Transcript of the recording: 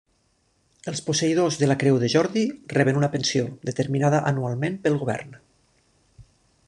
Els posseïdors de la Creu de Jordi reben una pensió, determinada anualment pel govern.